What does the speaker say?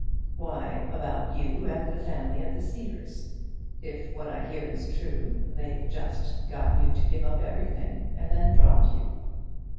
"Why, about you and the family at the Cedars. If what I hear is true, they've just got you to give up everything, and then dropped you."